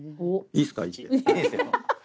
いいですよ。